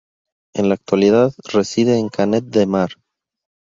En la actualidad reside en Canet de Mar.